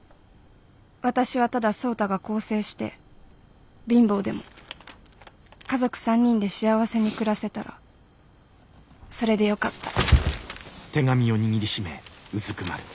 私はただ創太が更生して貧乏でも家族３人で幸せに暮らせたらそれでよかった」。